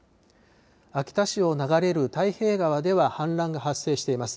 秋田市を流れる太平川では氾濫が発生しています。